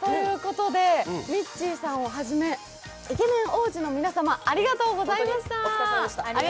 ということで、ミッチーさんをはじめ、イケメン王子の皆様ありがとうございました。